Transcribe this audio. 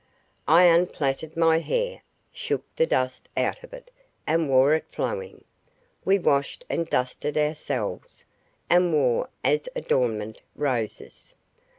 I unplaited my hair (shook the dust out of it) and wore it flowing. We washed and dusted ourselves, and wore as adornment roses.